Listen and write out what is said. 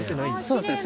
そうですね。